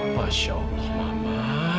masya allah mama